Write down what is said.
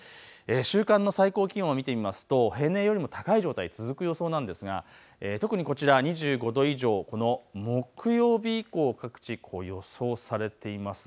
週間の最高気温を見てみますと平年よりも高い状態が続く予想なんですが特にこちら、２５度以上、木曜日以降、各地、予想されています。